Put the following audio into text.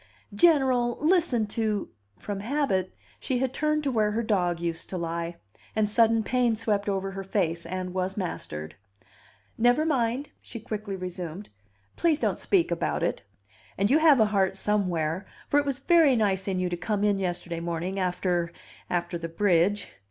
General, listen to " From habit she had turned to where her dog used to lie; and sudden pain swept over her face and was mastered. "Never mind!" she quickly resumed. "Please don't speak about it. And you have a heart somewhere; for it was very nice in you to come in yesterday morning after after the bridge."